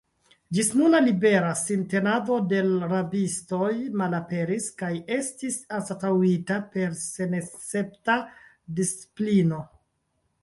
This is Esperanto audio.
Ĝisnuna libera sintenado de l' rabistoj malaperis kaj estis anstataŭita per senescepta disciplino.